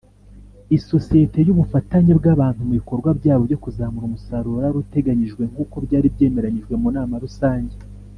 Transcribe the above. isosiyete y’ubufatanye bw abantu mu bikorwa byabo byo kuzamura umusaruro wari uteganyijwe nkuko byari byemeranyijwe mu nama rusange.